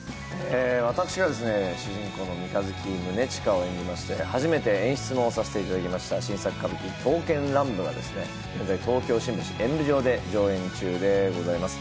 私が主人公の三日月宗近を演じまして、初めて演出もさせていただきました、新作歌舞伎『刀剣乱舞』がですね、現在、東京・新橋演舞場で上演中でございます。